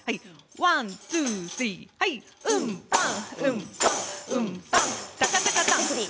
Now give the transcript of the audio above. ワン、ツー、スリー。